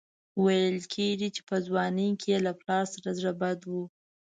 ویل کېږي چې په ځوانۍ کې یې له پلار سره زړه بد و.